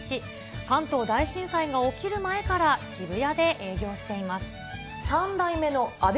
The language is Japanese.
関東大震災が起きる前から渋谷で営業しています。